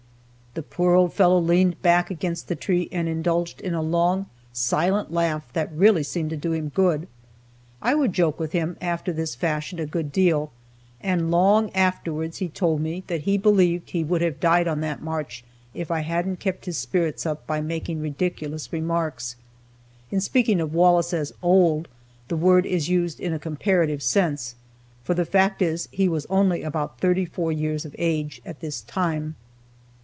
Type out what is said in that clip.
The poor old fellow leaned back against the tree, and indulged in a long, silent laugh that really seemed to do him good. I would joke with him, after this fashion, a good deal, and long afterwards he told me that he believed he would have died on that march if I hadn't kept his spirits up by making ridiculous remarks. (In speaking of Wallace as "old," the word is used in a comparative sense, for the fact is he was only about thirty four years of age at this time.)